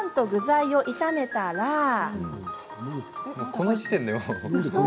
この時点でもう。